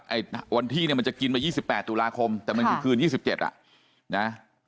ไอ้วันที่เนี่ยมันจะกินมา๒๘ตุลาคมแต่มันคือคืน๒๗อ่ะนะ